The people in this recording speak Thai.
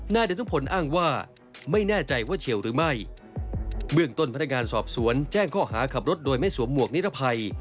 ดรุพลอ้างว่าไม่แน่ใจว่าเฉียวหรือไม่เบื้องต้นพนักงานสอบสวนแจ้งข้อหาขับรถโดยไม่สวมหวกนิรภัย